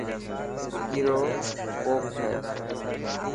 وڪي رو ڪوپ هي.